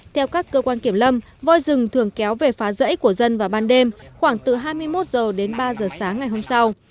theo các cơ quan kiểm lâm voi rừng thường kéo về phá rẫy của dân vào ban đêm khoảng từ hai mươi một h đến ba h sáng ngày hôm sau